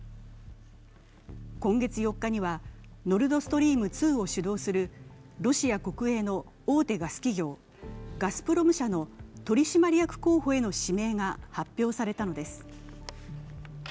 今月４日には、ノルドストリーム２を主導する、ロシア国営の大手ガス企業・ガスプロム社の取締役候補への指名が発表されたのです。